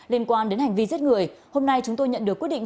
liên quan đến hành vi giết người hôm nay chúng tôi nhận được quyết định